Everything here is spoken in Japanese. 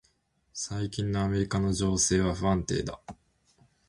最近のアメリカの情勢は不安定だ。